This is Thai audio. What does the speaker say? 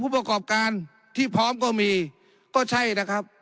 ประกอบการที่พร้อมก็มีก็ใช่นะครับ